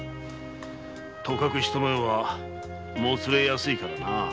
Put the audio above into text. とかく人の世はもつれやすいからなあ。